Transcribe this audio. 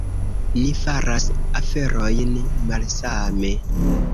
Ni faras aferojn malsame.